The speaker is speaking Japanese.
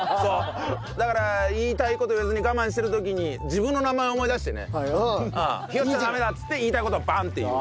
だから言いたい事言えずに我慢してる時に自分の名前を思い出してねヒヨっちゃダメだっつって言いたい事をバンって言う。